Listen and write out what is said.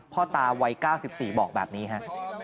พ่อตาวัย๙๔บอกแบบนี้ฮะ